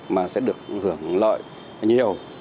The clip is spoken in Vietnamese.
mà sẽ được hưởng lợi nhiều